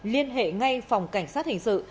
liên hệ ngay phòng cảnh sát hình sự